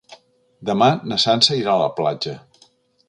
Demà na Sança irà a la platja.